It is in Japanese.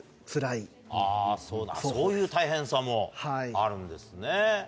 あそういう大変さもあるんですね。